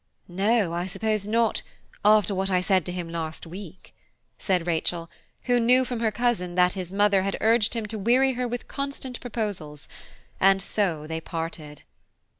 "No, I suppose not, after what I said to him last week," said Rachel, who knew from her cousin that his mother had urged him to weary her with constant proposals; and so they parted.